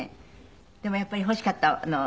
でもやっぱり欲しかった？